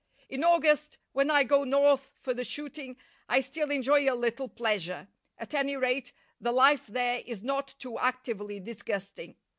In August, when I go North for the shooting, I still enjoy a little pleasure at any rate, the life there is not too actively disgusting.